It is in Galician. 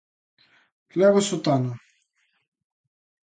Leva sotana.